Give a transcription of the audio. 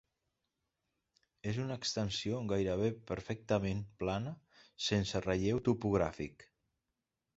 És una extensió gairebé perfectament plana sense relleu topogràfic.